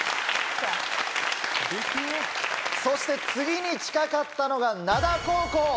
そして次に近かったのが灘高校。